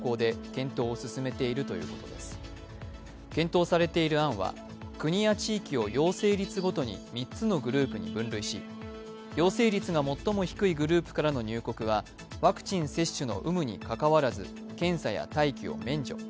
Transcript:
検討されている案は国や地域を陽性率ごとに３つのグループに分類し陽性率が最も低いグループからの入国は、ワクチン接種の有無にかかわらず検査や待機を免除。